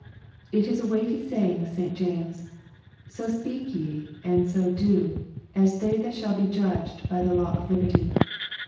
It is a weighty saying of St. James, " So speak ye, and so do, as they that shall be judged by the law of liberty."